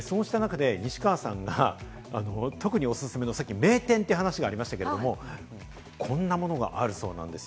そうした中で西川さんが特におすすめの名店って話がありましたけれども、こんなものがあるそうです。